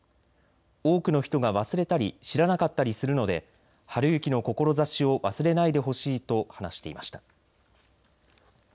多くの人が忘れたり知らなかったりするので晴行の志を忘れないでほしいと話していました。